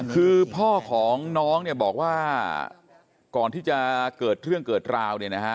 คือพ่อของน้องบอกว่าก่อนที่จะเกิดเรื่องเกิดราว